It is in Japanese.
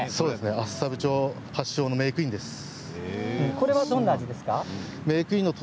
厚沢部町発祥のメークインです。